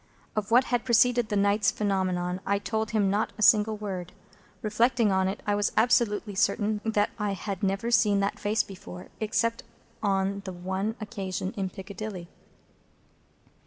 Of what had preceded that night's phenomenon, I told him not a single word. Reflecting on it, I was absolutely certain that I had never seen that face before, except on the one occasion in Piccadilly.